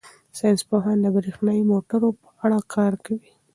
ساینس پوهان د بریښنايي موټرو په اړه کار کوي.